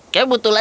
kau butuh latar